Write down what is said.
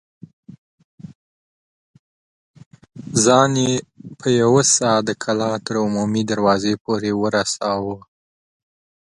ځان يې په يوه سا د کلا تر عمومي دروازې پورې ورساوه.